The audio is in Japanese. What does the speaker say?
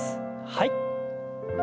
はい。